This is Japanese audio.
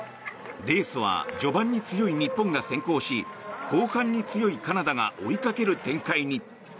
レースは序盤に強い日本が先行し後半に強いカナダが追いかける展開に。